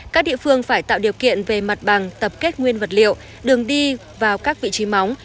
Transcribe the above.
các địa phương phải tạo điều kiện về mặt bằng tập kết nguyên vật liệu đường đi vào các vị trí móng